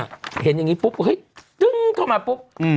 ชีวิตน่ะเห็นอย่างงี้ปุ๊บเฮ้ยเด้งเข้ามาปุ๊บอืม